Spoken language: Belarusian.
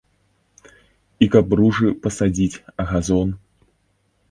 І каб ружы пасадзіць, газон.